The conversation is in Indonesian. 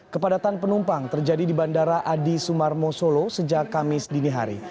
kepadatan penumpang terjadi di bandara adi sumarmo solo sejak kamis dini hari